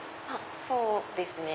そうですね。